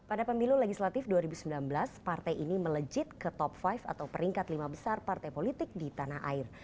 pada pemilu legislatif dua ribu sembilan belas partai ini melejit ke top lima atau peringkat lima besar partai politik di tanah air